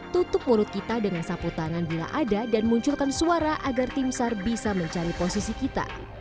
tutup mulut kita dengan sapu tangan bila ada dan munculkan suara agar tim sar bisa mencari posisi kita